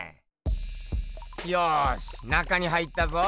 ようし中に入ったぞ。